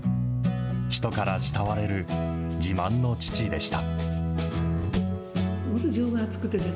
人から慕われる、自慢の父でした。